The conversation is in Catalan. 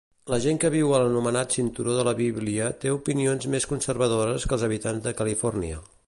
La gent que viu a l'anomenat Cinturó de la Bíblia té opinions més conservadores que els habitants de Califòrnia.